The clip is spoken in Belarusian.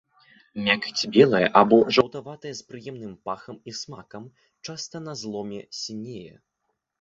Мякаць белая або жаўтаватая з прыемным пахам і смакам, часта на зломе сінее.